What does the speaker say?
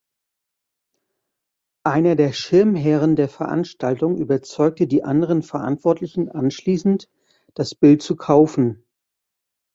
Einer der Schirmherren der Veranstaltung überzeugte die anderen Verantwortlichen anschließend, das Bild zu kaufen.